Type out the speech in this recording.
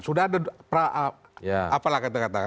sudah ada apalah kata kata